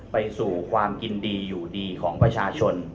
ไปสู่ความกินดีอยู่ดีของประชาชน